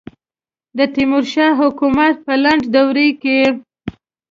د تیمور شاه حکومت په لنډه دوره کې.